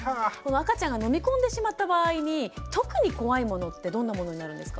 赤ちゃんが飲み込んでしまった場合に特に怖いものってどんなものになるんですか。